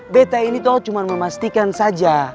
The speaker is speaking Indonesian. betta ini tuh cuma memastikan saja